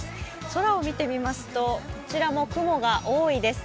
空を見てみますと、こちらも雲が多いです。